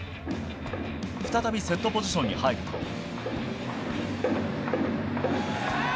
再びセットポジションに入ると。